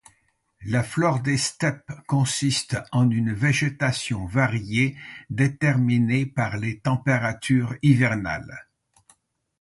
La flore des steppes consiste en une végétation variée, déterminée par les températures hivernales.